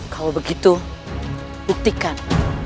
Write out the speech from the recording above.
kalau begitu buktikan